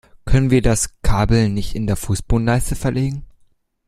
Können wir das Kabel nicht in der Fußbodenleiste verlegen?